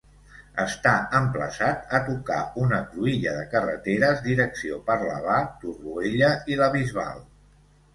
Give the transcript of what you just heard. Està emplaçat a tocar una cruïlla de carreteres direcció Parlavà, Torroella i la Bisbal.